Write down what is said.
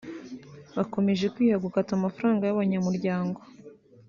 Bakomeje kwiha gukata amafaranga y’abanyamuryango